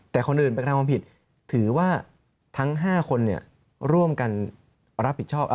แต่คนอื่นไปกระทำความผิดถือว่าทั้ง๕คนร่วมกันรับผิดชอบ